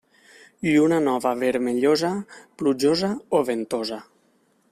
Lluna nova vermellosa, plujosa o ventosa.